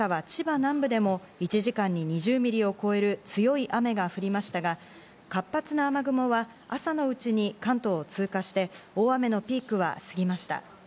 今朝は千葉南部でも１時間に２０ミリを超える強い雨が降りましたが、活発な雨雲は朝のうちに関東を通過して大雨のピークは過ぎました。